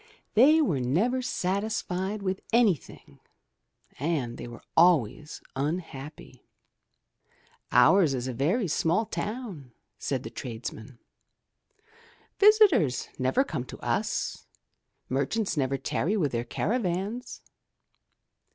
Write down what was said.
They were never satisfied with anything and they were always unhappy. ''Ours is only a very small town/' said the tradesmen. ''Visitors never come to us, merchants never tarry with their caravans.'